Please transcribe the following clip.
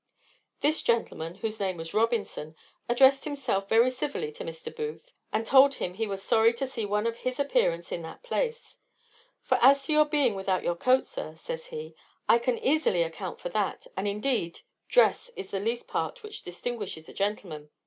This gentleman, whose name was Robinson, addressed himself very civilly to Mr. Booth, and told him he was sorry to see one of his appearance in that place: "For as to your being without your coat, sir," says he, "I can easily account for that; and, indeed, dress is the least part which distinguishes a gentleman."